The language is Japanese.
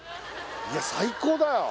いや最高だよ